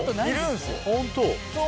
本当？